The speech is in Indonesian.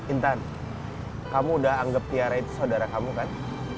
intan kamu udah anggap tiara itu saudara kamu kan